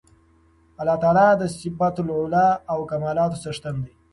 الله تعالی د صفات العُلی او کمالاتو څښتن دی